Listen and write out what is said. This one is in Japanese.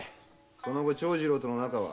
その後長次郎との仲は？